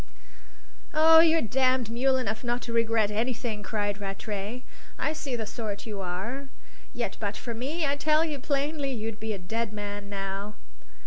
"Oh, you're damned mule enough not to regret anything!" cried Rattray. "I see the sort you are; yet but for me, I tell you plainly, you'd be a dead man now."